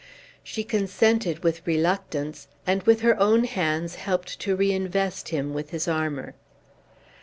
She consented with reluctance, and with her own hands helped to reinvest him with his armor.